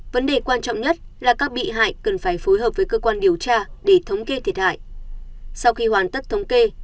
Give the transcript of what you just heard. sau khi hoàn tất thống kê